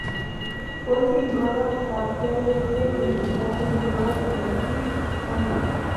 Fue filmada parcialmente en Ciudad Lineal, Madrid, España.